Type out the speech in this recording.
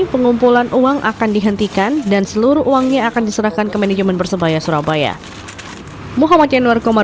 pengumpulan uang akan dihentikan dan seluruh uangnya akan diserahkan ke manajemen persebaya surabaya